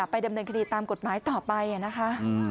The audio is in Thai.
ไปดำเนินคดีตามกฎหมายต่อไปนะคะ